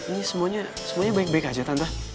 ini semuanya semuanya baik baik aja tante